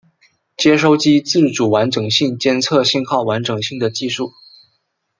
接收机自主完整性监测信号完整性的技术。